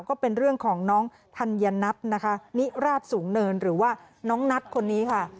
ก็เป็นเรื่องของน้องธัญนัทนะคะนิราชสูงเนินหรือว่าน้องนัทคนนี้ค่ะ